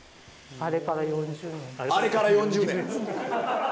「あれから４０年」。